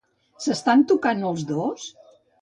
S'estan tocant els dos?